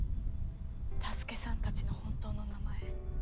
太助さんたちの本当の名前。